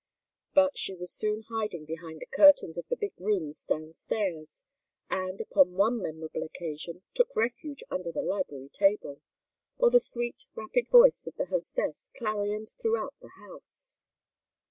But she was soon hiding behind the curtains of the big rooms down stairs, and, upon one memorable occasion, took refuge under the library table, while the sweet rapid voice of the hostess clarioned throughout the house.